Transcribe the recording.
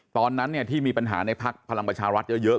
ตอนนั้นที่มีปัญหาในภักดิ์พลังประชารัฐเยอะ